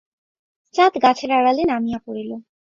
চাঁদ গাছের আড়ালে নামিয়া পড়িল।